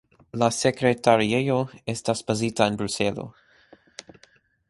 La sekretariejo estas bazita en Bruselo.